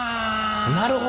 なるほど。